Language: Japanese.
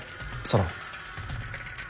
ソロン。